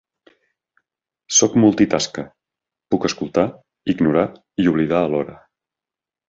Soc multitasca: puc escoltar, ignorar i oblidar alhora.